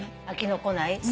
飽きのこない。